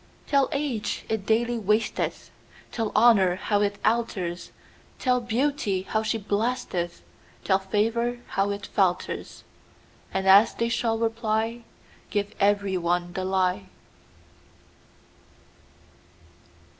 Tell age it daily wasteth; Tell honour how it alters; Tell beauty how she blasteth; Tell favour how it falters:And as they shall reply, Give every one the lie.